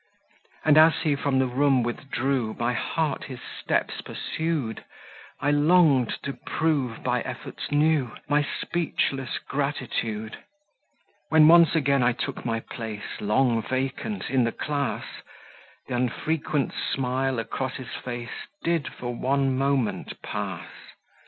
And as he from the room withdrew, My heart his steps pursued; I long'd to prove, by efforts new; My speechless gratitude. When once again I took my place, Long vacant, in the class, Th' unfrequent smile across his face Did for one moment pass.